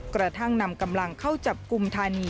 กระทั่งนำกำลังเข้าจับกลุ่มธานี